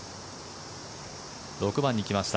６番に来ました。